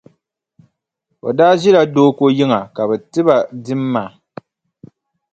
O daa ʒila Dooko yiŋa ka bɛ ti ba dimma.